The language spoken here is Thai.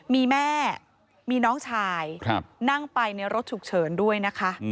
มีแม่มีน้องชายนั่งไปในรถฉุกเฉินด้วยนะคะ